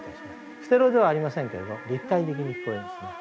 ステレオではありませんけど立体的に聞こえますね。